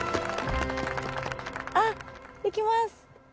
あっ行きます。